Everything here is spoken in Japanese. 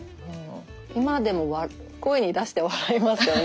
今でも声に出して笑いますよね。